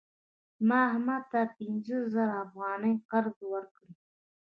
ما احمد ته پنځه زره افغانۍ قرض ورکړې.